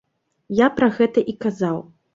Я пра гэта і казаў.